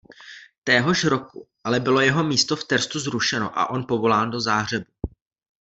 Téhož roku ale bylo jeho místo v Terstu zrušeno a on povolán do Záhřebu.